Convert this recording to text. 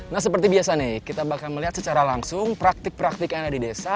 nah seperti biasa nih kita bakal melihat secara langsung praktik praktik yang ada di desa